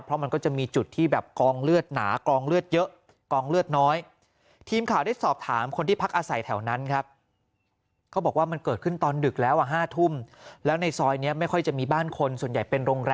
เพราะมันก็จะมีจุดที่แบบกองเลือดหนากองเลือดเยอะกองเลือดน้อย